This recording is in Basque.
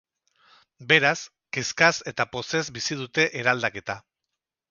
Beraz, kezkaz eta pozez bizi dute eraldaketa.